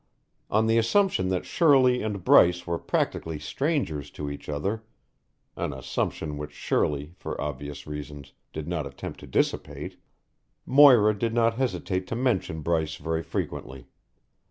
On the assumption that Shirley and Bryce were practically strangers to each other (an assumption which Shirley, for obvious reasons, did not attempt to dissipate), Moira did not hesitate to mention Bryce very frequently.